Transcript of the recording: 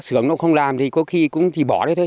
sướng nó không làm thì có khi cũng chỉ bỏ đây thôi